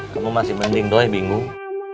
kamu masih mending doy bingung